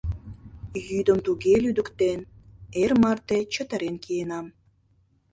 Йӱдым туге лӱдыктен — эр марте чытырен киенам.